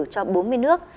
cho bốn mươi nước